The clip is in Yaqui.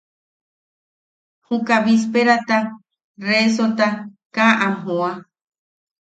Juka bisperaata, resota kaa am joa.